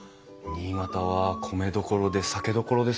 新潟は米どころで酒どころですもんね。